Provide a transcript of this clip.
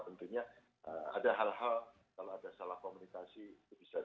tentunya ada hal hal kalau ada salah komunikasi itu bisa